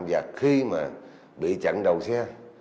và khi mà bị chặn đầu xe